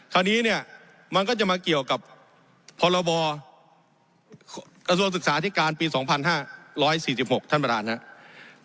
คราวนี้เนี่ยมันก็จะมาเกี่ยวกับพลอสศธิการปี๒๕๔๖ท่านประธานครับ